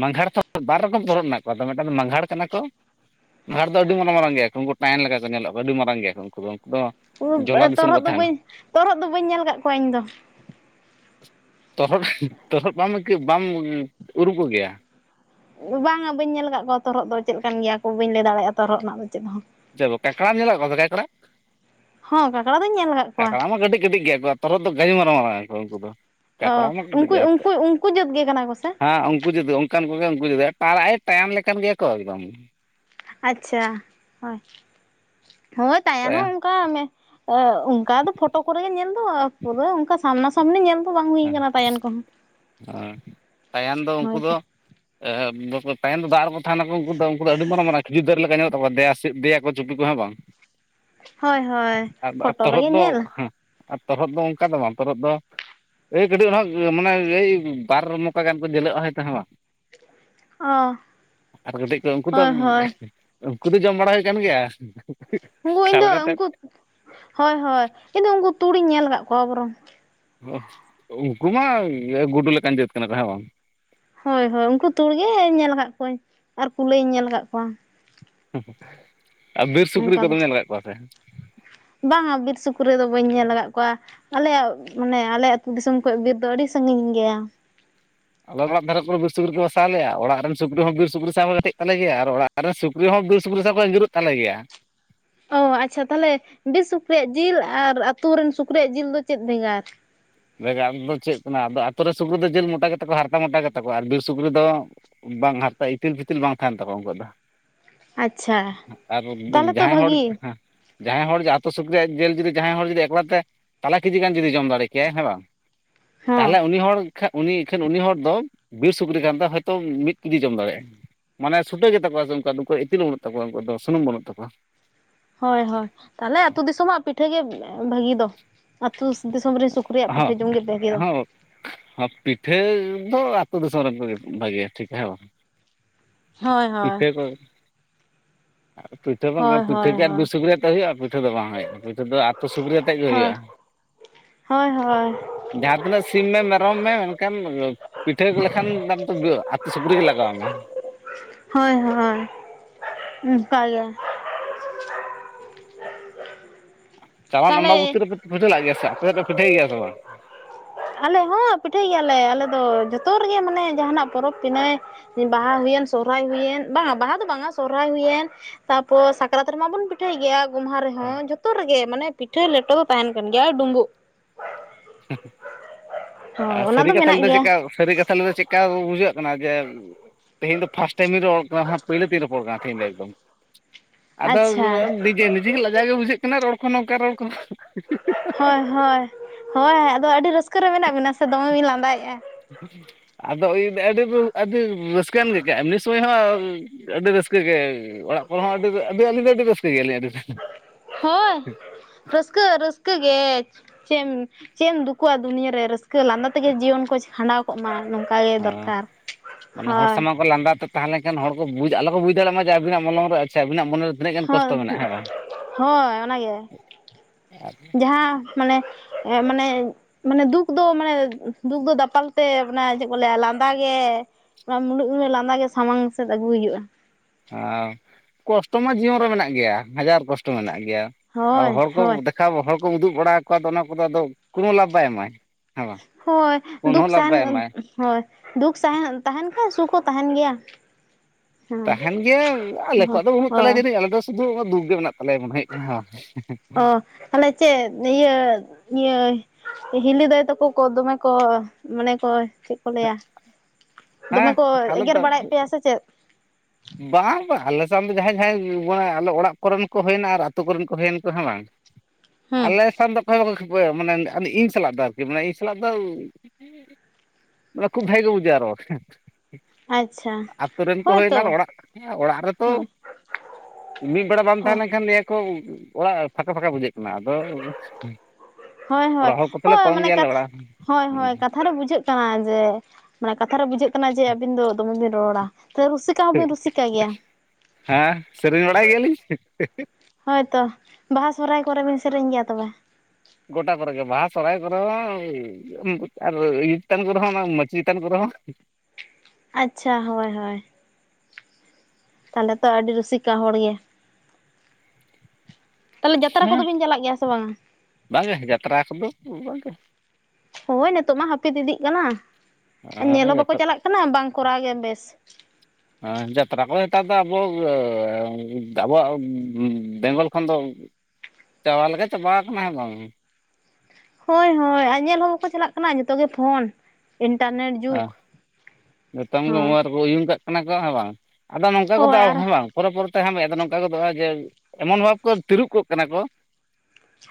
ᱢᱟᱸᱜᱷᱟᱲ ᱛᱚ ᱵᱟᱨ ᱨᱚᱠᱚᱢ ᱛᱚᱨᱦᱚᱫ ᱢᱮᱱᱟᱜ ᱠᱚᱣᱟ ᱢᱤᱫ ᱴᱟᱝ ᱫᱚ ᱢᱟᱸᱜᱷᱟᱲ ᱠᱟᱱᱟ ᱠᱚ ᱜᱷᱟᱲ ᱫᱚ ᱟᱹᱰᱤ ᱢᱟᱨᱟᱝ ᱢᱟᱨᱟᱝ ᱜᱮᱭᱟ ᱠᱚ ᱩᱱᱠᱩ ᱛᱟᱭᱟᱱ ᱞᱮᱠᱟ ᱠᱚ ᱧᱮᱞᱚᱜᱼᱟ ᱟᱹᱰᱤ ᱢᱟᱨᱟᱝ ᱜᱮᱭᱟ ᱠᱚ ᱩᱱᱠᱩ ᱫᱚ ᱩᱱᱠᱩ ᱫᱚ ᱡᱚᱞᱟ ᱫᱤᱥᱚᱢ ᱛᱚᱨᱚᱫ ᱠᱚ ᱫᱚ ᱛᱟᱦᱮᱱᱟ ᱵᱟᱹᱧ ᱛᱚᱨᱚᱫ ᱫᱚ ᱵᱟᱹᱧ ᱧᱮᱞ ᱟᱠᱟᱫ ᱠᱚᱣᱟ ᱤᱧᱫᱚ ᱛᱚᱨᱦᱚᱫ ᱛᱚᱨᱦᱚᱫ ᱵᱟᱢ ᱵᱟᱢ ᱩᱨᱩᱢ ᱠᱚ ᱜᱮᱭᱟ ᱵᱟᱝᱼᱟ ᱵᱟᱹᱧ ᱧᱮᱞ ᱟᱠᱟᱫ ᱠᱚᱣᱟ ᱛᱚᱨᱚᱫ ᱫᱚ ᱪᱮᱫ ᱞᱮᱠᱟᱱ ᱜᱮᱭᱟ ᱠᱚ ᱵᱟᱹᱧ ᱞᱟᱹᱭ ᱫᱟᱲᱮᱭᱟᱜᱼᱟ ᱛᱚᱨᱚᱫ ᱨᱮᱱᱟᱜ ᱫᱚ ᱪᱮᱫ ᱦᱚᱸ [unintelligible] ᱠᱟᱠᱲᱟ ᱧᱮᱞᱮᱫ ᱠᱚᱣᱟᱛ ᱠᱟᱠᱲᱟ, ᱦᱚᱸ ᱠᱟᱠᱲᱟ ᱫᱚᱧ ᱧᱮᱞ ᱟᱠᱟᱫ ᱠᱚᱣᱟ ᱠᱟᱠᱲᱟ ᱢᱟ ᱠᱟᱹᱴᱤᱡ ᱠᱟᱹᱴᱤᱡ ᱜᱮᱭᱟ ᱠᱚ ᱾ ᱛᱚᱨᱚᱫ ᱫᱚ [unintelligible] ᱢᱟᱨᱟᱝ ᱢᱟᱨᱟᱝ ᱟᱠᱚ ᱩᱱᱠᱩ ᱫᱚ ᱾ ᱚ ᱠᱟᱠᱲᱟ ᱢᱟ ᱠᱟᱹᱴᱤᱡ ᱩᱱᱠᱩ ᱜᱮᱭᱟ ᱠᱚ ᱩᱱᱠᱩ ᱩᱱᱠᱩ ᱡᱟᱹᱛ ᱜᱮ ᱠᱟᱱᱟ ᱠᱚ ᱥᱮ ᱦᱮᱸ ᱩᱱᱠᱩ ᱡᱩᱫᱤ ᱾ ᱠᱷᱟᱱ ᱩᱱᱠᱩ ᱜᱮ ᱩᱱᱠᱩ ᱡᱩᱫᱟᱹ [unintelligible] ᱛᱟᱭᱚᱢ ᱞᱮᱠᱟ ᱜᱮᱭᱟ ᱠᱚ ᱮᱠᱫᱚᱢ ᱾ ᱟᱪᱪᱷᱟ ᱦᱳᱭ ᱦᱳᱭ ᱛᱟᱭᱟᱱ ᱦᱚᱸ ᱚᱱᱠᱟ ᱚᱱᱠᱟ ᱫᱚ ᱯᱷᱳᱴᱳ ᱠᱚᱨᱮ ᱜᱮ ᱧᱮᱞ ᱫᱚ ᱯᱩᱨᱟ ᱚᱱᱠᱟ ᱥᱟᱢᱱᱟ ᱥᱟᱢᱱᱤ ᱧᱮᱞ ᱫᱚ ᱵᱟᱝ ᱦᱩᱭᱩ ᱟᱠᱟᱱᱟ ᱛᱟᱭᱟᱱ ᱠᱚᱦᱚᱸ ᱦᱳᱭᱛᱚ ᱾ ᱛᱟᱭᱚᱢ ᱫᱚ ᱫᱟᱜ ᱨᱮᱠᱚ ᱛᱟᱦᱮᱱᱟᱠᱚ ᱩᱱᱠᱩ ᱫᱚ ᱛᱟᱭᱟᱱ ᱫᱟᱜ ᱨᱮᱠᱚ ᱛᱟᱦᱮᱱᱟ ᱩᱱᱠᱩ ᱫᱚ ᱟᱹᱰᱤ ᱢᱟᱨᱟᱝ ᱢᱟᱨᱟᱝ ᱠᱷᱤᱡᱩᱨ ᱫᱟᱨᱮ ᱞᱮᱠᱟ ᱧᱚᱜ ᱛᱟᱠᱚᱣᱟ ᱫᱮ ᱫᱮᱭᱟᱠᱚ ᱪᱩᱯᱤ ᱠᱚ ᱦᱮᱸ ᱵᱟᱝ ᱾ ᱦᱳᱭ ᱦᱳᱭ ᱟᱨ ᱯᱷᱳᱴᱳ ᱛᱚᱨᱦᱚᱫ ᱨᱮᱜᱮ ᱫᱚ ᱧᱮᱞ ᱾ ᱟᱨ ᱛᱚᱨᱚᱦᱚᱫ ᱫᱚ ᱚᱱᱠᱟ ᱫᱚ ᱵᱟᱝ ᱛᱚᱨᱚᱦᱚᱫ ᱫᱚ ᱮᱭ ᱠᱟᱹᱴᱤᱡ ᱱᱟᱦᱟᱸᱜ ᱢᱟᱱᱮ ᱮᱭ ᱵᱟᱨ ᱢᱚᱠᱟ ᱜᱟᱱ ᱠᱚ ᱡᱮᱞᱚᱜ ᱦᱚ ᱛᱟᱦᱮᱱᱟ ᱚ ᱾ ᱟᱨ ᱠᱟᱹᱴᱤᱡ ᱠᱚ ᱩᱱᱠᱩ ᱫᱚ ᱦᱳᱭ ᱦᱳᱭ ᱩᱱᱠᱩ ᱫᱚ ᱡᱚᱢ ᱵᱟᱲᱟ ᱦᱩᱭ ᱟᱠᱟᱱ ᱜᱮᱭᱟ ᱾ ᱩᱱᱠᱩ ᱤᱧ ᱫᱚ ᱩᱱᱠᱩ ᱦᱳᱭ ᱦᱳᱭ ᱤᱧ ᱫᱚ ᱩᱱᱠᱩ ᱛᱩᱲᱤᱧ ᱧᱮᱞ ᱟᱠᱟᱫ ᱠᱚᱣᱟ ᱵᱚᱨᱚᱝ ᱾ ᱩᱱᱠᱩ ᱢᱟ ᱜᱩᱰᱩ ᱞᱮᱠᱟᱱ ᱡᱟᱹᱛ ᱠᱟᱱᱟ ᱠᱚ ᱦᱮ ᱵᱟᱝ ᱦᱳᱭ ᱦᱳᱭ ᱩᱱᱠᱩ ᱛᱩᱲ ᱜᱮ ᱧᱮᱞ ᱟᱠᱟᱫ ᱠᱚᱣᱟᱟᱹᱧ ᱟᱨ ᱠᱩᱞᱟᱹᱭ ᱤᱧ ᱧᱮᱞ ᱟᱠᱟᱫ ᱠᱚᱣᱟ ᱾ ᱟᱨ ᱵᱤᱨ ᱥᱩᱠᱨᱤ ᱚᱱᱠᱟ ᱫᱚ ᱠᱚᱫᱚᱢ ᱧᱮᱞ ᱟᱠᱟᱫ ᱠᱚᱣᱟ ᱥᱮ ᱾ ᱵᱟᱝᱟ ᱵᱤᱨ ᱥᱩᱠᱨᱤ ᱫᱚ ᱵᱟᱹᱧ ᱧᱮᱞ ᱟᱠᱟᱫ ᱠᱚᱣᱟ ᱾ ᱟᱞᱮᱭᱟᱜ ᱢᱟᱱᱮ ᱟᱞᱮ ᱟᱹᱛᱩ ᱫᱤᱥᱚᱢ ᱠᱷᱚᱱ ᱵᱤᱨ ᱫᱚ ᱟᱹᱰᱤ ᱥᱟᱺᱜᱤᱧ ᱜᱮᱭᱟ ᱾ ᱟᱞᱮ ᱚᱲᱟᱜ ᱫᱷᱟᱨᱮ ᱠᱚᱨᱮ ᱵᱤᱨ ᱥᱩᱠ ᱠᱚ ᱵᱟᱥᱟ ᱟᱞᱮᱭᱟ ᱚᱲᱟᱜ ᱨᱮᱱ ᱥᱩᱠᱨᱤ ᱦᱚᱸ ᱵᱤᱨ ᱥᱩᱠᱨᱤ ᱥᱟᱶ ᱜᱟᱛᱮᱜ ᱛᱟᱞᱮᱜᱮᱭᱟ ᱟᱨ ᱚᱲᱟᱜ ᱟᱨ ᱥᱩᱠᱨᱤ ᱦᱚᱸ ᱵᱤᱨ ᱥᱩᱠᱨᱤ ᱥᱟᱶ ᱠᱚ ᱟᱸᱪᱩᱨᱚᱜ ᱛᱟᱞᱮ ᱜᱮᱭᱟ ᱾ ᱚ ᱟᱪᱪᱷᱟ ᱛᱟᱦᱚᱞᱮ ᱵᱤᱨ ᱥᱩᱠᱨᱤᱭᱟᱜ ᱡᱤᱞ ᱟᱨ ᱟᱛᱩ ᱨᱮᱱ ᱥᱩᱠᱨᱤᱭᱟᱜ ᱡᱤᱞ ᱫᱚ ᱪᱮᱫ ᱵᱷᱮᱜᱟᱨ? ᱵᱮᱜᱟᱨ ᱫᱚ ᱪᱮᱫ ᱠᱟᱱᱟ ᱟᱫᱚ ᱟᱛᱳ ᱨᱮ ᱥᱩᱠᱨᱤ ᱫᱚ ᱡᱤᱞ ᱢᱚᱴᱟ ᱜᱮ ᱛᱟᱠᱭᱟ ᱦᱟᱨᱛᱟ ᱢᱚᱴᱟ ᱜᱮᱛᱟ ᱠᱚᱣᱟ ᱟᱨ ᱵᱤᱨ ᱥᱩᱠᱨᱤ ᱫᱚ ᱵᱟᱝ ᱦᱟᱨᱛᱟ ᱤᱛᱤᱞ ᱯᱷᱤᱛᱤᱞ ᱵᱟᱝ ᱛᱟᱦᱮᱱ ᱛᱟᱠᱚᱣᱟ ᱩᱱᱠᱩᱣᱟᱜ ᱫᱚ ᱾ ᱟᱪᱪᱷᱟ ᱟᱨ ᱛᱟᱦᱚᱞᱮ ᱛᱚ ᱡᱟᱦᱟᱸᱭ ᱦᱚᱲ ᱵᱷᱟᱹᱜᱤ ᱦᱮᱸ᱾ ᱡᱟᱦᱟᱸᱭ ᱦᱚᱲ ᱡᱮ ᱟᱛᱳ ᱥᱩᱠᱨᱤ ᱨᱮᱭᱟᱜ ᱡᱤᱞ ᱡᱩᱫᱤ ᱡᱟᱦᱟᱸᱭ ᱦᱚᱲ ᱡᱩᱫᱤ ᱮᱠᱞᱟ ᱛᱮ ᱛᱟᱞᱟ ᱠᱮᱡᱤ ᱜᱟᱱ ᱡᱩᱫᱤ ᱡᱚᱢ ᱫᱟᱲᱮ ᱠᱮᱭᱟᱭ ᱦᱮᱸ ᱵᱟᱝ ᱛᱟᱦᱚᱞᱮ ᱦᱮᱸ ᱩᱱᱤ ᱦᱚᱲ ᱮᱱ ᱩᱱᱤ ᱮᱱᱠᱷᱟᱱ ᱩᱱᱤ ᱦᱚᱲ ᱫᱚ ᱵᱤᱨ ᱥᱩᱠᱨᱤ ᱠᱟᱱ ᱛᱟᱭᱟ ᱦᱚᱭᱛᱳ ᱢᱤᱫ ᱠᱚᱫᱤᱭ ᱡᱚᱢ ᱫᱟᱲᱮᱭᱟᱜᱼᱟ᱾ ᱢᱟᱱᱮ ᱥᱩᱴᱟᱹ ᱜᱮ ᱛᱟᱠᱭᱟ ᱥᱮ ᱩᱱᱠᱩᱣᱟᱜ ᱫᱚ ᱤᱛᱤᱞ ᱦᱸ ᱵᱟᱹᱱᱩᱜ ᱛᱟᱣᱟ ᱩᱱᱠᱩᱭᱟᱜ ᱫᱚ ᱥᱩᱱᱩᱢ ᱵᱟᱱᱩᱜ ᱛᱟᱠᱚᱣᱟ ᱾ ᱦᱳᱭ ᱦᱳᱭ ᱛᱟᱦᱚᱞᱮ ᱟᱹᱛᱩ ᱫᱤᱥᱚᱢᱟᱜ ᱯᱤᱴᱷᱟᱹᱜ ᱜᱮ ᱵᱷᱟᱹᱜᱤ ᱫᱚ ᱾ ᱟᱹᱛᱩ ᱫᱤᱥᱚᱢ ᱨᱮᱱ ᱥᱩᱠᱨᱤᱭᱟᱜ ᱯᱤᱴᱷᱟᱹ ᱡᱚᱢ ᱜᱮ ᱵᱷᱟᱹᱜᱤ ᱫᱚ ᱾ ᱦᱚᱸ ᱦᱚᱸ ᱯᱤᱴᱷᱟᱹ ᱫᱚ ᱟᱹᱛᱩ ᱫᱤᱥᱚᱢ ᱨᱮᱱ ᱠᱚ ᱵᱷᱟᱹᱜᱤᱭᱟ ᱴᱷᱤᱠ ᱦᱮᱸ ᱵᱟᱝ ᱾ ᱦᱳᱭ ᱦᱳᱭ ᱾ ᱯᱤᱴᱷᱟᱹ ᱵᱟᱝ ᱯᱤᱴᱷᱟᱹ ᱠᱤ ᱵᱤᱨ ᱥᱩᱠᱨᱤ ᱟᱛᱮ ᱦᱤᱭᱩᱜ ᱟ ᱯᱤᱴᱷᱟᱹ ᱫᱚ ᱵᱟᱝ ᱦᱩᱭᱩᱜ ᱟ ᱯᱤᱴᱷᱟᱹ ᱫᱚ ᱟᱹᱛᱩ ᱥᱩᱠᱨᱤ ᱟᱛᱮ ᱜᱮ ᱦᱩᱭᱩᱜ ᱦᱳᱭ ᱟ ᱾ ᱦᱳᱭ ᱦᱳᱭ ᱾ ᱡᱟᱦᱟᱸ ᱛᱤᱱᱟᱹᱜ ᱥᱤᱢ ᱢᱮ ᱢᱮᱨᱚᱢ ᱢᱮ ᱢᱮᱱᱠᱷᱟᱱ ᱯᱤᱴᱷᱟᱹ ᱞᱮᱠᱷᱟᱱ ᱫᱚ ᱥᱩᱠᱨᱤ ᱜᱮ ᱞᱟᱜᱟᱣ ᱟᱢᱟ ᱾ ᱦᱳᱭ ᱦᱳᱭ ᱚᱱᱠᱟ. ᱜᱮ ᱾ ᱪᱟᱞᱟᱜ ᱛᱟᱦᱚᱞᱮ ᱟᱢᱟᱵᱚᱛᱤ ᱨᱮᱯᱮ ᱯᱤᱴᱷᱟᱹ ᱟᱜ ᱜᱮᱭᱟ ᱥᱮ ᱵᱟᱝ ᱟᱯᱮ ᱫᱚ ᱯᱮ ᱯᱤᱴᱷᱟᱹᱭ ᱜᱮᱭᱟ ᱥᱮ ᱵᱟᱝ? ᱟᱞᱮ ᱦᱚᱸ ᱯᱤᱴᱷᱟᱹᱭ ᱜᱮᱭᱟᱞᱮ ᱟᱞᱮ ᱫᱚ ᱡᱚᱛᱚ ᱨᱮᱜᱮ ᱢᱟᱱᱮ ᱡᱟᱦᱟᱱᱟᱜ ᱯᱚᱨᱚᱵᱽ ᱯᱤᱱᱟᱹᱭ ᱵᱟᱦᱟ ᱦᱩᱭᱮᱱ ᱥᱚᱨᱦᱟᱭ ᱦᱩᱭᱮᱱ ᱵᱟᱝᱟ ᱵᱟᱦᱟ ᱫᱚ ᱵᱟᱝᱟ ᱥᱚᱨᱦᱟᱭ ᱦᱩᱭᱮᱱ ᱛᱟᱯᱚᱨ ᱥᱟᱠᱨᱟᱛ ᱨᱮ ᱢᱟᱵᱚᱱ ᱯᱤᱴᱷᱟᱹᱭ ᱜᱮᱭᱟ ᱾ ᱜᱚᱢᱦᱟ ᱨᱮᱦᱚᱸ ᱡᱚᱛᱚ ᱨᱮᱜᱮ ᱢᱟᱱᱮ ᱯᱤᱴᱷᱟᱹ ᱞᱮᱴᱚ ᱫᱚ ᱛᱟᱦᱮᱱ ᱠᱟᱱ ᱜᱮᱭᱟ ᱰᱩᱸᱵᱩᱜ ᱾ ᱦᱳᱭ ᱟᱨ ᱚᱱᱟ ᱥᱟᱹᱨᱤ ᱫᱚ ᱠᱟᱛᱷᱟ ᱢᱮᱱᱟᱜ ᱞᱮᱫᱚ ᱜᱮᱭᱟ ᱪᱮᱫᱠᱟ ᱥᱟᱹᱨᱤ ᱠᱟᱛᱷᱟ ᱞᱟᱹᱭ ᱪᱮᱫᱠᱟ ᱵᱩᱡᱷᱟᱹᱜ ᱠᱟᱱᱟ ᱡᱮ ᱛᱮᱦᱮᱧ ᱫᱚ ᱯᱷᱟᱥᱴ ᱾ [unintelligible] ᱨᱚᱲ ᱠᱟᱱᱟ ᱯᱳᱭᱞᱳ ᱛᱮᱧ ᱨᱚᱯᱚᱲ ᱠᱟᱱᱟ ᱛᱟᱦᱮᱸ ᱫᱚ ᱮᱠᱫᱚᱢ ᱟᱫᱚ ᱟᱪᱪᱷᱟ ᱱᱤᱡᱮ ᱜᱮ ᱞᱟᱡᱟᱣ ᱜᱮ ᱵᱩᱡᱷᱟᱹᱜ ᱠᱟᱱᱟ ᱨᱚᱲ ᱠᱚᱦᱚᱸ ᱱᱚᱝᱠᱟ ᱨᱚᱲ ᱠᱚ ᱦᱳᱭ ᱦᱳᱭ ᱦᱳᱭ ᱟᱫᱚ ᱟᱹᱰᱤ ᱨᱟᱹᱥᱠᱟᱹ ᱨᱮ ᱢᱮᱱᱟᱜ ᱵᱤᱱᱟ ᱥᱮ ᱫᱚᱢᱮᱵᱤᱱ ᱞᱟᱸᱫᱟᱭᱮᱼᱟ ᱾ ᱟᱫᱚ ᱟᱹᱰᱤ ᱟᱹᱰᱤ ᱨᱟᱹᱥᱠᱟᱹ ᱟᱱ ᱮᱢᱱᱤ ᱥᱚᱢᱚᱭ ᱦᱚᱸ ᱾ ᱟᱹᱰᱤ ᱨᱟᱹᱥᱠᱟᱹ ᱜᱮ ᱚᱲᱟᱜ ᱠᱚᱨᱮ ᱦᱚᱸ ᱟᱹᱰᱤ ᱟᱹᱰᱤ ᱟᱹᱞᱤᱧ ᱫᱚ ᱟᱹᱰᱤ ᱨᱟᱹᱥᱠᱟᱹ ᱜᱮᱭᱟᱞᱤᱧ ᱟᱹᱰᱤᱟᱹ ᱾ ᱦᱳᱭ ᱨᱟᱹᱥᱠᱟᱹ ᱨᱟᱹᱥᱠᱟᱹ ᱜᱮ ᱪᱮᱫ ᱮᱢ ᱪᱮᱫ ᱮᱢ ᱫᱩᱠᱩᱼᱟ ᱫᱩᱱᱭᱟᱹᱨᱮ ᱨᱟᱹᱥᱠᱟᱹ ᱞᱟᱸᱫᱟ ᱛᱮᱜᱮ ᱡᱤᱭᱚᱱ ᱠᱚ ᱠᱷᱟᱸᱰᱟᱣ ᱠᱚᱜ ᱢᱟ ᱜᱮ ᱦᱚᱸ ᱫᱚᱨᱠᱟᱨ ᱢᱟᱱᱮ ᱦᱚᱲ ᱦᱳᱭ ᱥᱟᱢᱟᱝ ᱠᱚ ᱞᱟᱸᱫᱟ ᱛᱚ ᱛᱟᱦᱚᱞᱮ ᱠᱷᱟᱱ ᱦᱚᱲ ᱠᱚ ᱵᱩᱡᱽ ᱟᱞᱚ ᱠᱚ ᱵᱩᱡᱽ ᱫᱟᱲᱮᱭᱟᱜ ᱢᱟ ᱡᱮ ᱟᱵᱤᱱᱟᱜ ᱢᱚᱞᱚᱝ ᱨᱮ ᱟᱪᱪᱷᱟ ᱟᱵᱤᱱᱟᱜ ᱢᱚᱱᱮ ᱨᱮ ᱦᱳ ᱦᱳᱭ ᱚᱱᱟ ᱜᱮ ᱡᱟᱦᱟᱸ ᱢᱟᱱᱮ ᱮᱜ ᱢᱟᱱᱮ ᱢᱟᱱᱮ ᱫᱩᱠ ᱫᱚ ᱢᱟᱱᱮ ᱫᱩᱠ ᱫᱚ ᱫᱟᱯᱟᱞ ᱛᱮ ᱢᱟᱱᱮ ᱪᱮᱫ ᱠᱚ ᱞᱟᱹᱭᱟ ᱞᱟᱸᱫᱟ ᱜᱮ ᱚᱱᱟ ᱢᱩᱞᱩᱡ ᱢᱩᱞᱩᱡ ᱞᱟᱸᱫᱟ ᱜᱮ ᱥᱟᱢᱟᱝ ᱥᱮᱫ ᱟᱹᱜᱩᱭ ᱦᱩᱭᱩᱜᱼᱟ [unintelligible] ᱠᱚᱥᱴᱚ ᱢᱟ ᱡᱤᱭᱚᱱ ᱨᱮ ᱢᱮᱱᱟᱜ ᱜᱮᱭᱟ ᱦᱟᱡᱟᱨ ᱠᱚᱥᱴᱚ ᱢᱮᱱᱟᱜ ᱜᱮᱭᱟ ᱟᱵᱚ ᱦᱳᱭ ᱦᱚᱲ ᱠᱚ ᱦᱳᱭ ᱦᱚᱲ ᱠᱚᱢ ᱩᱫᱩᱜ ᱵᱟᱲᱟᱣᱟᱠᱚᱣᱟ ᱟᱫᱚ ᱚᱱᱟ ᱠᱚᱫᱚ ᱟᱫᱚ ᱠᱳᱱᱳ ᱞᱟᱵᱷ ᱵᱟᱭ ᱮᱢᱟᱭ ᱦᱮᱸ ᱵᱟᱝ ᱦᱳᱭ ᱠᱳᱱᱳ ᱫᱩᱠ ᱞᱟᱵᱷ ᱵᱟᱭ ᱥᱟᱦᱮᱱ ᱮᱢᱟᱭ ᱦᱳᱭ ᱫᱩᱠ ᱥᱟᱦᱮᱱ ᱛᱟᱦᱮᱸᱱ ᱠᱷᱟᱱ ᱥᱩᱠ ᱦᱚᱸ ᱛᱟᱦᱮᱸᱱ ᱜᱮᱭᱟ ᱦᱮᱸ ᱛᱟᱦᱮᱸᱱ ᱜᱮᱭᱟ ᱟᱞᱮ ᱦᱳᱭ ᱠᱚᱣᱟᱜ ᱫᱚ ᱵᱟᱹᱱᱩᱜ ᱛᱟᱞᱮᱭᱟ ᱡᱟᱹᱱᱤᱡ ᱟᱞᱮ ᱫᱚ ᱥᱩᱫᱩ ᱫᱩᱠ ᱜᱮ ᱢᱮᱱᱟᱜ ᱛᱟᱞᱮᱭᱟ ᱢᱚᱱᱮ ᱦᱩᱭᱩᱜ ᱠᱟᱱᱟ ᱚ ᱛᱟᱦᱞᱮ ᱪᱮᱫ ᱤᱭᱟᱹ ᱤᱭᱟᱹ ᱦᱤᱞᱤ ᱫᱟᱹᱭ ᱛᱟᱠᱚ ᱠᱚ ᱫᱚᱢᱮ ᱠᱚ ᱢᱟᱱᱮ ᱠᱚ ᱪᱮᱫ ᱠᱚ ᱞᱮᱭᱟ ᱫᱚᱢᱮ ᱦᱮᱸ ᱠᱚ ᱟᱞᱮ ᱮᱜᱮᱨ ᱫᱚ ᱵᱟᱲᱟᱭᱮᱫ ᱯᱮᱭᱟ ᱥᱮ ᱪᱮᱫ ᱵᱟᱝ ᱵᱟᱝ ᱟᱞᱮ ᱫᱚ ᱡᱟᱦᱟᱸᱭ ᱡᱟᱦᱟᱸᱭ ᱢᱟᱱᱮ ᱟᱞᱮ ᱚᱲᱟᱜ ᱠᱚᱨᱮᱱ ᱠᱚ ᱦᱩᱭᱮᱱ ᱟᱨ ᱟᱛᱳ ᱠᱚᱨᱮᱱ ᱠᱚ ᱦᱩᱭᱮᱱ ᱚᱠᱟᱭ ᱦᱚᱸ ᱵᱟᱝ ᱦᱮᱸ ᱟᱞᱮ ᱥᱮᱱ ᱫᱚ [unintelligible] ᱢᱟᱱᱮ ᱤᱧ ᱥᱟᱞᱟᱜ ᱫᱚ ᱟᱨᱠᱤ ᱢᱟᱱᱮ ᱤᱧ ᱥᱟᱞᱟᱜ ᱫᱚ ᱚᱱᱮ ᱠᱷᱩᱵ ᱵᱷᱟᱜᱮ ᱠᱚ ᱵᱩᱡᱷᱟᱹᱣᱟ ᱨᱚᱲ ᱟᱪᱪᱷᱟ ᱟᱛᱳ ᱨᱮᱱ ᱠᱚ ᱦᱩᱭᱱᱟ ᱦᱳᱭᱛᱚ ᱚᱲᱟᱜ ᱚᱲᱟᱜ ᱨᱮᱛᱚ ᱦᱮᱸ ᱢᱤᱫ ᱵᱮᱲᱟ ᱵᱟᱢ ᱦᱳᱭ ᱛᱟᱦᱮᱸ ᱞᱮᱱᱠᱷᱟᱱ ᱞᱮᱭᱟ ᱠᱚ ᱚᱲᱟᱜ ᱯᱷᱟᱸᱠᱟ ᱯᱷᱟᱸᱠᱟ ᱵᱩᱡᱷᱟᱹᱜ ᱠᱟᱱᱟ ᱟᱫᱚ ᱦᱳᱭ ᱦᱳᱭ ᱚᱲᱟᱜ ᱦᱚᱲ ᱠᱚᱛᱮᱞᱮ ᱦᱳᱭ ᱠᱚᱢ ᱢᱟᱱᱮ ᱜᱮᱭᱟᱞᱮ ᱠᱟᱛᱷᱟ ᱚᱲᱟᱜ ᱦᱳᱭ ᱦᱳᱭ ᱠᱟᱛᱷᱟ ᱨᱮ ᱵᱩᱡᱷᱟᱹᱜ ᱠᱟᱱᱟ ᱡᱮ ᱢᱟᱱᱮ ᱠᱟᱛᱷᱟ ᱨᱮ ᱵᱩᱡᱷᱟᱹᱜ ᱠᱟᱱᱟ ᱡᱮ ᱟᱵᱤᱱ ᱫᱚ ᱫᱚᱢᱮ ᱵᱤᱱ ᱨᱚᱲᱟ ᱛᱚ ᱨᱩᱥᱤᱠᱟ ᱦᱚᱸᱵᱤᱱ ᱨᱩᱥᱤᱠᱟ ᱜᱮᱭᱟ ᱦᱮᱸ ᱥᱮᱨᱮᱧ ᱵᱟᱲᱟᱭ ᱜᱮᱭᱟᱞᱤᱧ ᱦᱳᱭ ᱛᱚ ᱵᱟᱦᱟ ᱥᱚᱦᱨᱟᱭ ᱠᱚᱨᱮ ᱵᱮᱱ ᱥᱮᱨᱮᱧ ᱜᱮᱭᱟ ᱛᱚᱵᱮ ᱜᱚᱴᱟ ᱠᱚᱨᱮ ᱜᱮ ᱵᱟᱦᱟ ᱥᱚᱨᱦᱟᱭ ᱠᱚᱨᱮ ᱦᱚᱸ [unintelligible] ᱪᱮᱛᱟᱱ ᱠᱚᱨᱮ ᱦᱚᱸ ᱚᱱᱟ ᱢᱟᱹᱪᱤ ᱪᱮᱛᱟᱱ ᱠᱚᱨᱮ ᱦᱚᱸ ᱟᱪᱪᱷᱟ ᱦᱳᱭ ᱦᱳᱭ ᱛᱟᱦᱚᱞᱮ ᱛᱚ ᱟᱹᱰᱤ ᱨᱩᱥᱤᱠᱟ ᱦᱚᱲ ᱜᱮ ᱛᱟᱦᱚᱞᱮ ᱡᱟᱛᱨᱟ ᱠᱚᱫᱚ ᱵᱤᱱ ᱪᱟᱞᱟᱜ ᱜᱮᱭᱟ ᱥᱮ ᱵᱟᱝᱟ ᱵᱟᱝ ᱜᱮ ᱡᱟᱛᱨᱟ ᱠᱚᱫᱚ ᱵᱟᱝ ᱜᱮ ᱦᱳᱭ ᱱᱤᱛᱚᱜ ᱢᱟ ᱦᱟᱹᱯᱤᱫ ᱤᱫᱤᱜ ᱠᱟᱱᱟ ᱧᱮᱞ ᱦᱮᱸ ᱦᱚᱸ ᱵᱟᱠᱚ ᱡᱟᱛᱨᱟ ᱪᱟᱞᱟᱜ ᱠᱟᱱᱟ ᱵᱟᱝ ᱠᱚᱨᱟᱣ ᱜᱮ ᱵᱮᱥ ᱦᱮᱸ ᱡᱟᱛᱨᱟ ᱠᱚ ᱱᱮᱛᱟᱨ ᱫᱚ ᱟᱵᱚ ᱟᱵᱚᱣᱟᱜ ᱵᱮᱝᱜᱚᱞ ᱠᱷᱚᱱ ᱫᱚ ᱪᱟᱵᱟ ᱞᱮᱠᱟ ᱪᱟᱵᱟ ᱠᱟᱱᱟ ᱵᱟᱝ ᱦᱳᱭ ᱦᱳᱭ ᱟᱨ ᱧᱮᱞ ᱦᱚᱸ ᱵᱟᱠᱚ ᱪᱟᱞᱟᱜ ᱠᱟᱱᱟ ᱡᱚᱛᱚ ᱜᱮ ᱯᱷᱳᱱ ᱤᱱᱴᱟᱨᱱᱮᱴ ᱡᱩᱜᱽ ᱱᱤᱛᱚᱝ ᱫᱚ ᱦᱳᱭ ᱩᱢᱟᱹᱨ ᱠᱚ ᱩᱭᱩᱝ ᱠᱟᱜ ᱠᱟᱱᱟ ᱠᱚ ᱦᱮᱸ ᱵᱟᱝ ᱟᱫᱚ ᱱᱚᱝᱠᱟ ᱠᱚᱫᱚ ᱦᱳᱭ ᱟᱨ [unintelligible] ᱵᱟᱝ ᱯᱚᱨᱮ ᱯᱚᱨᱮ ᱛᱮ [unintelligible] ᱱᱚᱝᱠᱟ ᱜᱚᱫᱚᱜᱼᱟ ᱡᱮ ᱮᱢᱚᱱ ᱵᱷᱟᱵ ᱠᱚ ᱛᱤᱨᱩᱵ ᱠᱚᱜ ᱠᱟᱱᱟ ᱠᱚ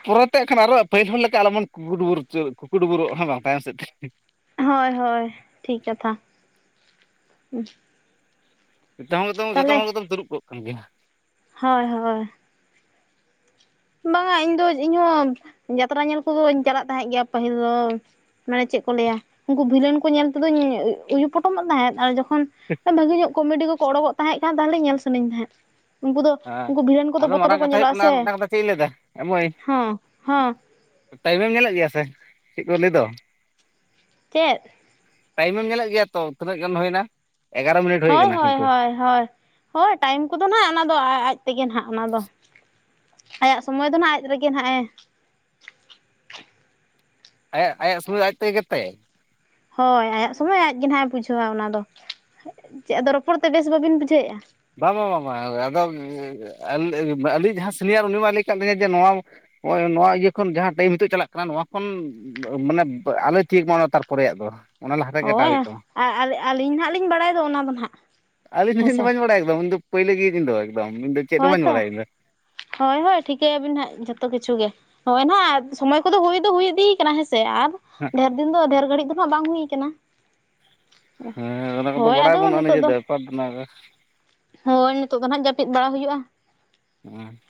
ᱯᱚᱨᱮ ᱛᱮ ᱟᱜᱠᱷᱟᱱ ᱟᱨᱚ ᱯᱟᱹᱦᱤᱞ ᱦᱚᱲ ᱞᱮᱠᱟ ᱟᱞᱚᱵᱚᱱ ᱠᱩᱠᱩᱰᱩᱵᱩᱨ ᱩᱛᱟᱹᱨ ᱠᱩᱠᱩᱰᱩᱵᱩᱨᱚᱜᱼᱟ ᱵᱟᱝ ᱛᱟᱭᱚᱢ ᱥᱮᱫ ᱛᱮ ᱦᱳᱭ ᱦᱳᱭ ᱴᱷᱤᱠ ᱠᱟᱛᱷᱟ ᱱᱤᱛᱚᱜ ᱦᱚᱸᱛᱚᱢ ᱡᱚᱛᱚ ᱛᱟᱦᱚᱞᱮ ᱦᱚᱲ ᱜᱮᱛᱚᱢ ᱛᱤᱨᱩᱵ ᱠᱚᱜ ᱠᱟᱱ ᱜᱮᱭᱟ ᱦᱳᱭ ᱦᱳᱭ ᱵᱟᱝᱟ ᱤᱧ ᱫᱚ ᱤᱧ ᱦᱚᱸ ᱡᱟᱛᱨᱟ ᱧᱮᱞ ᱠᱚᱫᱚᱧ ᱪᱟᱞᱟᱜ ᱛᱟᱦᱮᱸᱫ ᱜᱮᱭᱟ ᱯᱟᱹᱦᱤᱞ ᱫᱚ ᱢᱟᱱᱮ ᱪᱮᱫ ᱠᱚ ᱞᱟᱹᱭᱟ ᱩᱱᱠᱩ ᱵᱷᱤᱞᱮᱱ ᱠᱚ ᱧᱮᱞ ᱛᱮᱫᱚᱧ ᱩᱭᱩ ᱯᱚᱴᱚᱢᱚᱜ ᱛᱟᱦᱮᱸᱫ ᱟᱨ ᱡᱚᱠᱷᱚᱱ ᱵᱷᱟᱹᱜᱤ ᱧᱚᱜ ᱠᱚᱢᱮᱰᱤ ᱠᱚᱠᱚ ᱚᱰᱳᱠᱚᱜ ᱛᱟᱦᱮᱸ ᱠᱟᱱ ᱛᱟᱦᱞᱮ ᱧᱮᱞ ᱥᱟᱱᱟᱧ ᱛᱟᱦᱮᱸᱫ ᱩᱱᱠᱩ ᱫᱚ ᱦᱮᱸ ᱩᱱᱠᱩ ᱵᱷᱤᱞᱮᱱ ᱠᱚᱫᱚ ᱟᱫᱚ ᱵᱚᱛᱚᱨ ᱢᱟᱨᱟᱝ ᱜᱮᱠᱚ ᱠᱟᱛᱷᱟ ᱦᱩᱭᱩᱜ ᱧᱮᱞᱚᱜᱼᱟ ᱠᱟᱱᱟ ᱥᱮ ᱟᱨ ᱢᱤᱫᱴᱟᱝ ᱠᱟᱛᱷᱟ ᱪᱮᱫ ᱤᱧ ᱞᱟᱹᱭ ᱫᱟ ᱮ ᱢᱚᱭ ᱦᱚᱸ ᱦᱚᱸ ᱴᱟᱭᱤᱢᱮᱢ ᱧᱮᱞᱮᱫ ᱜᱮᱭᱟ ᱥᱮ ᱪᱮᱫ ᱠᱚ ᱞᱟᱹᱭ ᱫᱚ ᱪᱮᱫ ᱴᱟᱭᱤᱢᱮᱢ ᱧᱮᱞᱮᱫ ᱜᱮᱭᱟ ᱛᱚ ᱛᱤᱱᱟᱹᱜ ᱜᱟᱱ ᱦᱩᱭ ᱮᱱᱟ ᱮᱜᱟᱨᱚ ᱢᱤᱱᱤᱴ ᱦᱳᱭ ᱦᱳᱭ ᱦᱳᱭ ᱴᱟᱭᱤᱢ ᱠᱚᱫᱚ ᱦᱟᱸᱜ ᱚᱱᱟ ᱫᱚ ᱟᱡ ᱛᱮᱜᱮ ᱦᱟᱜ ᱚᱱᱟ ᱫᱚ ᱟᱭᱟᱜ ᱥᱚᱢᱚᱭ ᱫᱚ ᱱᱷᱟᱜ ᱟᱡ ᱨᱮᱜᱮ ᱱᱦᱟᱜ-ᱮ ᱾ ᱟᱭᱟᱜ ᱟᱭᱟᱜ ᱥᱩᱜᱩᱭ ᱫᱚ ᱟᱡ ᱛᱮᱜᱮ ᱜᱮᱫ ᱛᱟᱭᱟᱭ ᱾ ᱦᱳᱭ, ᱟᱭᱟᱜ ᱥᱩᱜᱩᱭ ᱟᱡ ᱜᱮ ᱱᱦᱟᱜ ᱮ ᱵᱩᱡᱷᱟᱹᱣᱟ ᱚᱱᱟ ᱫᱚ ᱾ᱪᱮᱫ ᱟᱫᱚ ᱨᱚᱯᱚᱲ ᱛᱮ ᱵᱮᱥ ᱵᱟᱹᱵᱤᱱ ᱵᱩᱡᱷᱟᱹᱣᱮᱜ-ᱟ? ᱵᱟᱝ ᱵᱟᱝ ᱵᱟᱝ ᱵᱟᱝ, ᱟᱫᱚ ᱟᱹᱞ ᱟᱹᱞᱤᱧᱤᱡ ᱡᱟᱦᱟᱸ ᱥᱤᱱᱤᱭᱟᱨ ᱩᱱᱤ ᱢᱟ ᱞᱟᱹᱭ ᱟᱠᱟᱫ ᱞᱤᱧᱟ ᱡᱮ ᱱᱚᱣᱟ ᱦᱳᱭ ᱱᱚᱣᱟ ᱤᱭᱟᱹ ᱠᱷᱚᱱ ᱡᱟᱦᱟᱸ ᱴᱟᱭᱤᱢ ᱱᱤᱛᱚᱜ ᱪᱟᱞᱟᱜ ᱠᱟᱱᱟ ᱱᱚᱣᱟ ᱠᱷᱚᱱ ᱢᱟᱱᱮ ᱟᱞᱚᱭ ᱛᱷᱤᱛ ᱢᱟ ᱚᱱᱟ ᱛᱟᱨᱯᱚᱨᱮ ᱭᱟᱜ ᱫᱚ ᱾ ᱦᱳᱭ ᱟᱨ, ᱟᱨ ᱟᱹᱞ ᱟᱹᱞ ᱟᱹᱞᱤᱧ ᱱᱦᱟᱜ ᱞᱤᱧ ᱵᱟᱲᱟᱭ ᱫᱚ ᱚᱱᱟ ᱫᱚ ᱱᱦᱟᱜ ᱾ ᱟᱹᱞᱤᱧ ᱫᱚ ᱦᱮᱸ ᱤᱧ ᱫᱚ ᱥᱮ ᱵᱟᱹᱧ ᱵᱟᱲᱟᱭᱟ ᱮᱠᱫᱚᱢ ᱩᱱᱤ ᱫᱚ ᱯᱟᱹᱭᱞᱟᱹ ᱜᱮ ᱤᱫᱤ ᱪᱚᱭ ᱮᱠᱫᱚᱢ ᱾ᱤᱧ ᱪᱮᱫ ᱦᱚᱸ ᱦᱳᱭ ᱵᱟᱹᱧ ᱛᱚ, ᱵᱟᱲᱟᱭᱟ ᱤᱧ ᱫᱚ ᱦᱳᱭ ᱦᱳᱭ ᱴᱷᱤᱠᱟᱹ ᱭᱟᱹᱵᱤᱱ ᱱᱦᱟᱜ ᱡᱚᱛᱚ ᱠᱤᱪᱷᱩ ᱜᱮ᱾ ᱦᱳᱭ ᱱᱦᱟᱜ, ᱥᱚᱢᱚᱭ ᱠᱚᱫᱚ ᱦᱩᱭ ᱫᱚ ᱦᱩᱭ ᱤᱫᱤ ᱟᱠᱟᱱᱟ ᱦᱮᱸ ᱥᱮ᱾ ᱟᱨ ᱰᱷᱮᱨ ᱫᱤᱱ ᱫᱚ ᱰᱷᱮᱨ ᱜᱷᱟᱹᱲᱤᱠ ᱫᱚ ᱦᱟᱸᱜ ᱵᱟᱝ ᱦᱩᱭ ᱟᱠᱟᱱᱟ᱾ ᱦᱮᱸ ᱚᱱᱟ ᱠᱚᱫᱚ ᱵᱟᱲᱟᱭ ᱟᱵᱚᱱ ᱱᱷᱟᱜ ᱱᱤᱡᱮ ᱛᱮ, ᱵᱮᱯᱟᱨ ᱫᱚ ᱱᱚᱣᱟ ᱜᱮ᱾ ᱦᱳᱭ, ᱱᱤᱛᱚᱜ ᱫᱚ ᱱᱦᱟᱜ ᱡᱟᱹᱯᱤᱫ ᱵᱟᱲᱟ ᱦᱩᱭᱩᱜ-ᱟ᱾ ᱦᱮᱸ